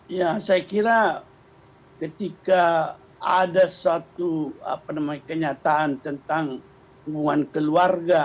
ya saya kira ketika ada suatu kenyataan tentang hubungan keluarga